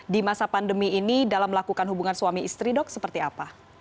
di masa pandemi ini dalam melakukan hubungan suami istri dok seperti apa